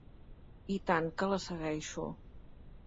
I tant que la segueixo!